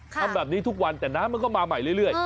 ทำแบบนี้ทุกวันแต่น้ำมันก็มาใหม่เรื่อย